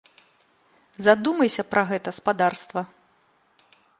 Задумайся пра гэта, спадарства.